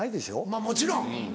まぁもちろん。